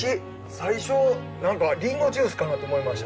最初リンゴジュースかなと思いました。